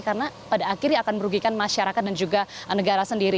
karena pada akhirnya akan merugikan masyarakat dan juga negara